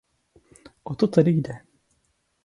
O to tedy jde.